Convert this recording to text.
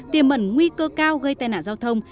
tiềm mẩn nguy cơ cao gây tai nạn giao thông